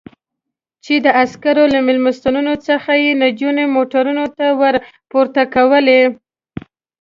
چې د عسکرو له مېلمستونونو څخه یې نجونې موټرونو ته ور پورته کولې.